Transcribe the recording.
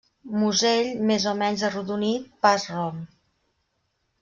Musell més o menys arrodonit, pas rom.